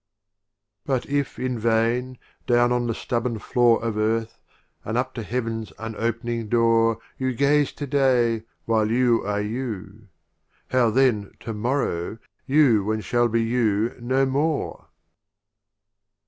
LIII. But if in vain, down on the stub born floor Of Earth, and up to HeavVs un opening Door, You gaze To day, while You are You — how then To morrow, You when shall be You no more?